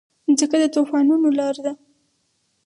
مځکه د طوفانونو لاره ده.